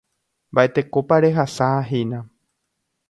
Mba'etekópa rehasahína.